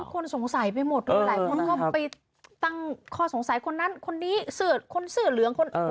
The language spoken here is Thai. ทุกคนสงสัยไปหมดหลายคนเข้าไปตั้งข้อสงสัยคนนั้นคนนี้คนสื่อเหลือง